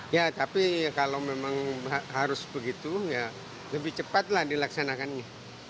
ya tapi kalau memang harus begitu lebih cepatlah dilaksanakannya